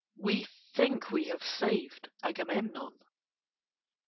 We think we have saved Agamemnon."